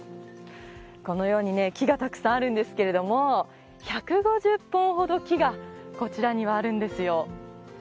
木がたくさんあるんですけれども１５０本ほど木がこちらにはあるんですよ。